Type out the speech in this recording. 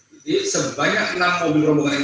jadi sebanyak enam mobil rombongan